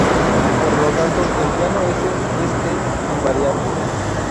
Por lo tanto, el plano "S" es "T"-invariante.